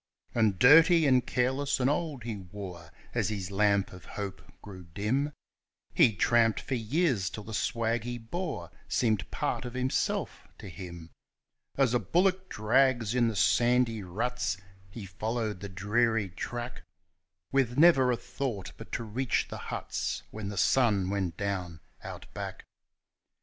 And dirty and careless and old he wore, as his lamp of hope grew dim; He tramped for years till the swag he bore seemed part of himself to him. As a bullock drags in the sandy ruts, he followed the dreary track, With never a thought but to reach the huts when the sun went down Out Back.